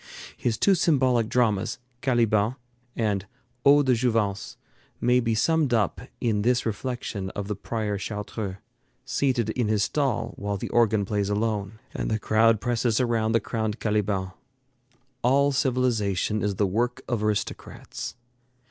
His two symbolic dramas 'Caliban' and 'Eau de Jouvence' may be summed up in this reflection of the prior of Chartreux, seated in his stall while the organ plays alone, and the crowd presses around the crowned Caliban: "A11 civilization is the work of aristocrats."